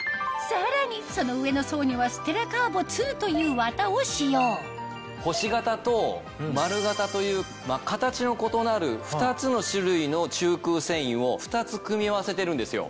さらにその上の層にはステラカーヴォというわたを使用星型と丸型という形の異なる２つの種類の中空繊維を２つ組み合わせてるんですよ。